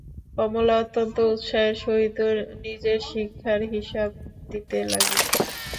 কমলা অত্যন্ত উৎসাহের সহিত নিজের শিক্ষার হিসাব দিতে লাগিল।